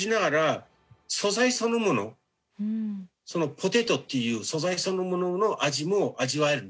ポテトっていう素材そのものの味も味わえるんですよ。